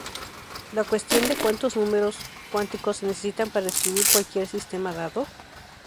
La cuestión de "¿cuántos números cuánticos se necesitan para describir cualquier sistema dado?